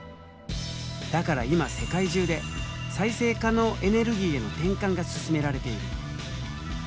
だから今世界中で再生可能エネルギーへの転換が進められている。